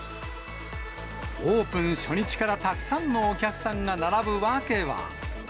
オープン初日からたくさんのお客さんが並ぶ訳は。